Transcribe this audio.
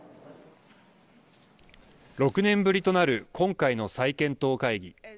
６年ぶりとなる今回の再検討会議。